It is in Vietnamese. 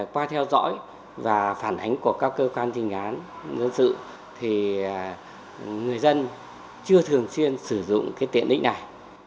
qua theo dõi và phản hành của các cơ quan thi hành án dân sự thì người dân chưa thường xuyên sử dụng cái tiện lĩnh này